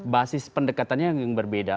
basis pendekatannya yang berbeda